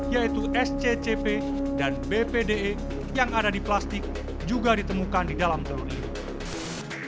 yaitu sccp dan bpde yang ada di plastik juga ditemukan di dalam telur ini